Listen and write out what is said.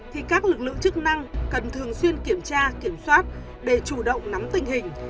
thì các lực lượng chức năng cần thường xuyên kiểm tra kiểm soát để chủ động nắm tình hình